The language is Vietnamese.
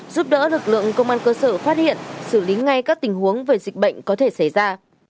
giúp đỡ lực lượng công an cơ sở phát hiện xử lý ngay các tình huống về dịch bệnh có thể xảy ra